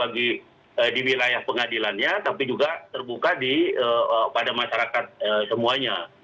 jadi pengertian terbuka bagi di wilayah pengadilannya tapi juga terbuka pada masyarakat semuanya